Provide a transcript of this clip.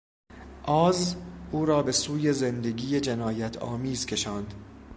آز، او را به سوی زندگی جنایتآمیز کشاند.